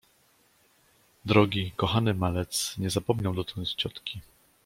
Drogi, kochany malec nie zapomniał dotąd ciotki.